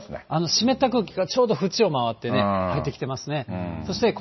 湿った空気がちょうど縁を回って入ってきてますね。